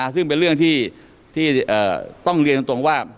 ซึ่งเป็นเรื่องที่ต้องเรียนตรงว่า